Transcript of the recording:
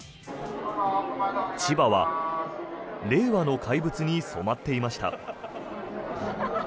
千葉は令和の怪物に染まっていました。